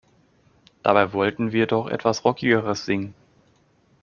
Dabei wollten wir doch etwas Rockigeres singen.